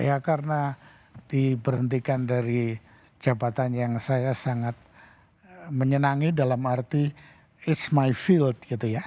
ya karena diberhentikan dari jabatan yang saya sangat menyenangi dalam arti is my field gitu ya